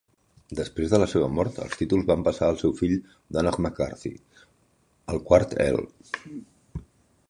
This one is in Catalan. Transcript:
Després de la seva mort, els títols van passar al seu fill Donough MacCarty, el quart earl.